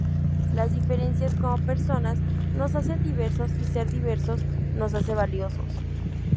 Las diferencias como personas nos hacen diversos y ser diversos nos hace valiosos.